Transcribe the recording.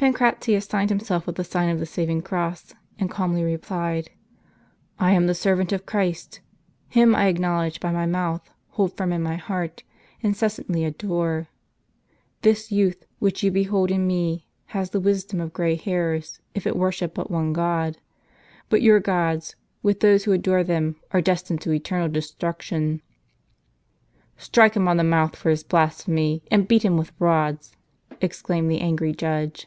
Pancratius signed himself with the sign of the saving cross, and calmly replied, " I am the servant of Christ. Him I acknowledge by my mouth, hold firm in my heart, inces santly adore. This youth which you behold in me has the wisdom of grey hairs if it worship but one God. But your gods, with those who adore them, are destined to eternal destruction." t " Strike him on the mouth for his blasphemy, and beat him with rods," exclaimed the angry judge.